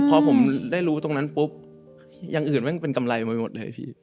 พอผมได้รู้ตรงนั้นปุ๊บอย่างอื่นแม่งเป็นกำไรมาหมดเลยพี่